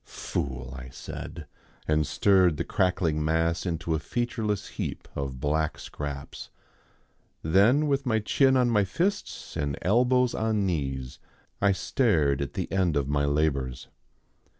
"Fool!" I said, and stirred the crackling mass into a featureless heap of black scraps. Then with my chin on my fists and elbows on knees I stared at the end of my labours.